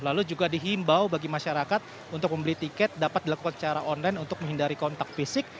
lalu juga dihimbau bagi masyarakat untuk membeli tiket dapat dilakukan secara online untuk menghindari kontak fisik